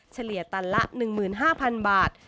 เฉลี่ยตันละ๑๕๐๐๐บาท